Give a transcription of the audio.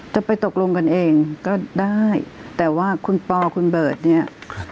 จะไปตกลงกันเองก็ได้แต่ว่าคุณปอคุณเบิร์ตเนี่ย